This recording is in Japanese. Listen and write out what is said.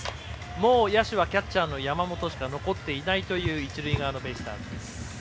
もう野手はキャッチャーの山本しか残っていないという一塁側のベイスターズ。